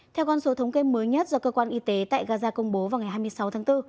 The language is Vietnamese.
theo con số thống kê mới nhất do cơ quan y tế tại gaza công bố vào ngày hai mươi sáu tháng bốn